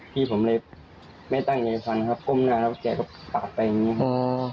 พี่ผมเลยไม่ตั้งใจฟันครับก้มหน้าแล้วแกก็ปากไปอย่างนี้ครับ